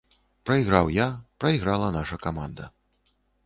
Прайграў я, прайграла наша каманда.